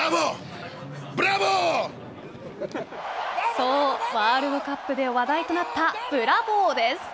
そう、ワールドカップで話題となったブラボーです。